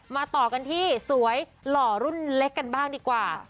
มาต่อกันที่สวยหรอกบ้างกันดีกว่า